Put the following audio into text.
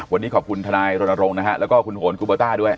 วันนี้ขอบคุณทนายรณรงค์นะฮะแล้วก็คุณโหนกูเบอร์ต้าด้วย